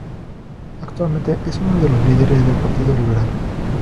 Actualmente es uno de los líderes del Partido Liberal.